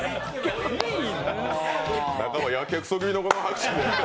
なかば、やけくそ気味のこの拍手で。